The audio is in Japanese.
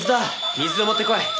水を持ってこい！